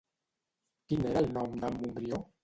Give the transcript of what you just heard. Quin era el nom d'en Montbrió?